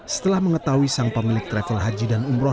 setelah mengetahui sang pemilik travel haji dan umroh